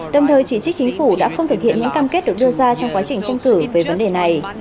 đồng thời chỉ trích chính phủ đã không thực hiện những cam kết được đưa ra trong quá trình tranh cử về vấn đề này